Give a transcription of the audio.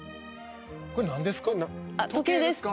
これ何ですか？